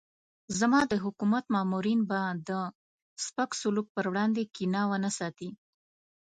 زما د حکومت مامورین به د سپک سلوک پر وړاندې کینه ونه ساتي.